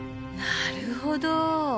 なるほど。